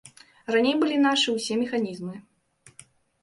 Раней былі нашы ўсе механізмы.